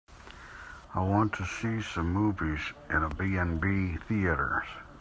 i want to see some movies in a B&B Theatres